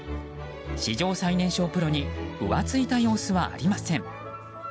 史上最年少プロに浮ついた様子はありません。